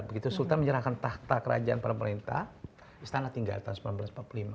begitu sultan menyerahkan tahta kerajaan pemerintah istana tinggal tahun seribu sembilan ratus empat puluh lima